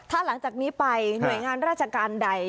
ถ้าหลังจากนี้ไปหน่วยงานราชการใด